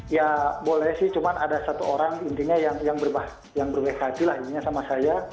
ya boleh sih cuma ada satu orang intinya yang berbaik hati lah intinya sama saya